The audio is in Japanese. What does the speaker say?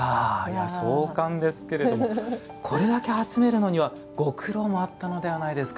壮観ですけれどもこれだけ集めるにはご苦労もあったのではないですか？